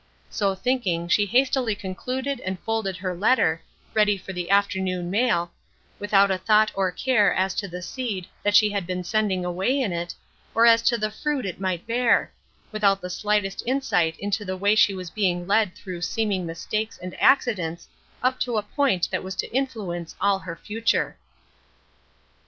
'" So thinking she hastily concluded and folded her letter, ready for the afternoon mail, without a thought or care as to the seed that she had been sending away in it, or as to the fruit it might bear; without the slightest insight into the way she was being led through seeming mistakes and accidents up to a point that was to influence all her future.